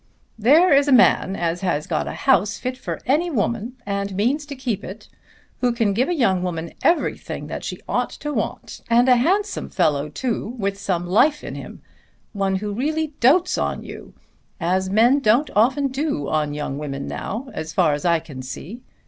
"There is a man as has got a house fit for any woman, and means to keep it; who can give a young woman everything that she ought to want; and a handsome fellow too, with some life in him; one who really dotes on you, as men don't often do on young women now as far as I can see.